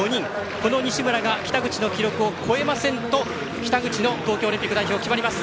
この西村が北口の記録を超えませんと北口の東京オリンピック出場が決まります。